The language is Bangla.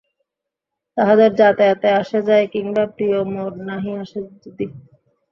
তাহাদের যাতায়াতে আসে যায় কিবা প্রিয় মোর নাহি আসে যদি।